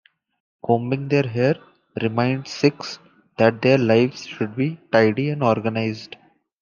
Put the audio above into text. Combing their hair reminds Sikhs that their lives should be tidy and organized.